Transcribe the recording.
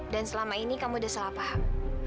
dan selama ini kamu sudah salah paham